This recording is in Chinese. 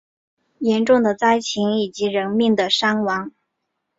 严重的灾情以及人命的伤亡